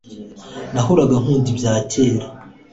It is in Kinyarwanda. Nahoraga nkunda ibya kera